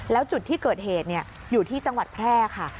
แล้วจุดที่เกิดเหตุอยู่ที่จังหวัดแพร่ค่ะ